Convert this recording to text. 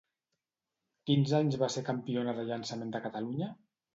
Quins anys va ser campiona de llançament de Catalunya?